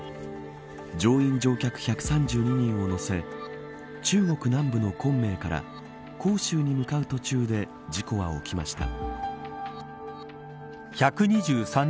乗員、乗客１３２人を乗せ中国南部の昆明から広州に向かう途中で事故は起きました。